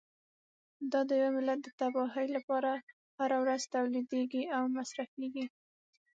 دا د یوه ملت د تباهۍ لپاره هره ورځ تولیدیږي او مصرفیږي.